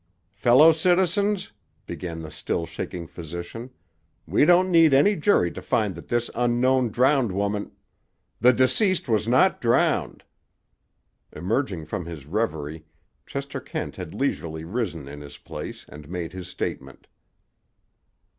"Feller citizens," began the still shaking physician, "we don't need any jury to find that this unknown drowned woman—" "The deceased was not drowned." Emerging from his reverie, Chester Kent had leisurely risen in his place and made his statement.